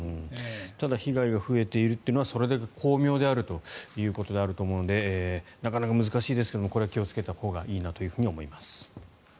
ただ被害が増えているというのはそれだけ巧妙であるということだと思うのでなかなか難しいですが気をつけたほうがいいと思います。